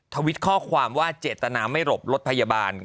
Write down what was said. ทวิตข้อความว่าเจตนาไม่หลบรถพยาบาล